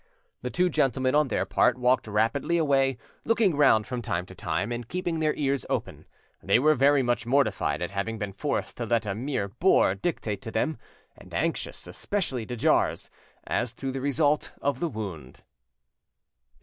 The two gentlemen on their part walked rapidly away, looking round from time to time, and keeping their ears open. They were very much mortified at having been forced to let a mere boor dictate to them, and anxious, especially de Jars, as to the result of the wound.